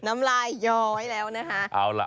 น้ำลายย้อยแล้วนะคะ